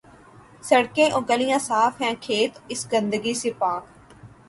سڑکیں اورگلیاں صاف ہیں، کھیت اس گندگی سے پاک۔